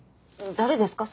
誰ですか？